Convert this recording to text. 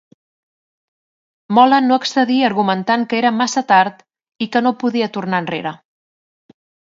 Mola no accedí argumentant que era massa tard i que no podia tornar enrere.